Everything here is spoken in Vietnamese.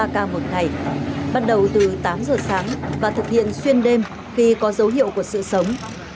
ba ca một ngày bắt đầu từ tám giờ sáng và thực hiện xuyên đêm khi có dấu hiệu của sự sống